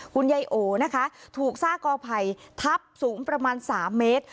คุณยายโอนะคะถูกซากกอไผ่ทับสูงประมาณ๓เมตร